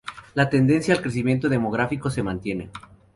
La tendencia al crecimiento demográfico se mantiene.